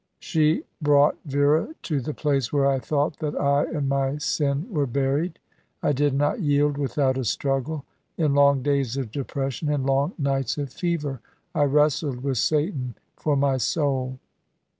She brought Vera to the place where I thought that I and my sin were buried. I did not yield without a struggle; in long days of depression, in long nights of fever, I wrestled with Satan for my soul.